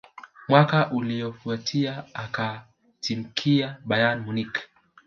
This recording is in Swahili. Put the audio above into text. Mwaka uliyofuatia akatimkia Bayern Munich